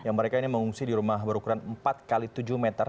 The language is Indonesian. yang mereka ini mengungsi di rumah berukuran empat x tujuh meter